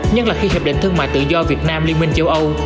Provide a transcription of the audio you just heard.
nhất là khi hiệp định thương mại tự do việt nam liên minh châu âu